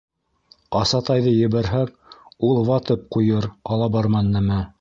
Асатайҙы ебәрһәк, ул ватып ҡуйыр, алабарман нәмә.